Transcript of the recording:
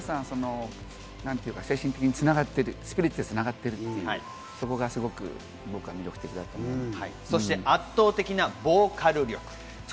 皆さん、精神的につながっている、スピリットでつながっている、そこがすごく魅力的だと思います。